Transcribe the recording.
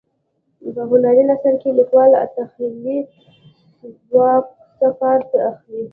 په هنري نثر کې لیکوال له تخیلي ځواک څخه کار اخلي.